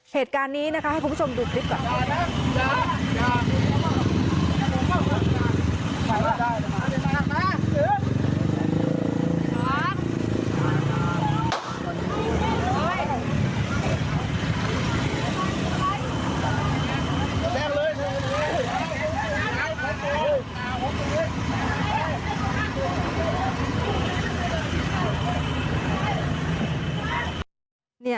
เหตุการณ์นี้นะคะให้คุณผู้ชมดูคลิปก่อน